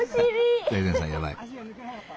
財前さんやばい。